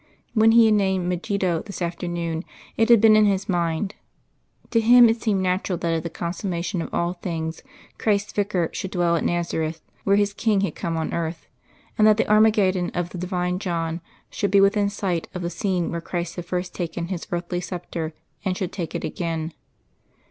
When he had named Megiddo this afternoon it had been in his mind; to him it seemed natural that at the consummation of all things Christ's Vicar should dwell at Nazareth where His King had come on earth and that the Armageddon of the Divine John should be within sight of the scene where Christ had first taken His earthly sceptre and should take it again.